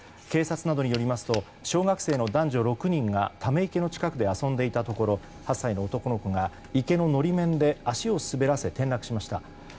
警察などによりますと小学生の男女６人がため池の近くで遊んでいたところ８歳の男の子が池の法面で足を滑らせ転落しました。